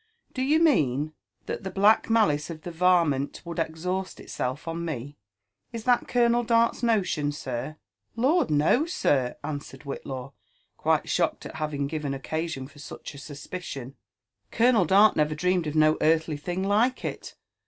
Do you mean that the black malice of the varmint would exhaust itself on me? Is that Colonel Dart's nolkm^ $irr ''Lord, no, sir!" Answered Whitlaw, quite sho<iked at having given occasion for such a suspicion :" Colonel Dart never dreamed of no earthly thing like it.